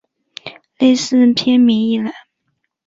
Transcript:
类似片名一览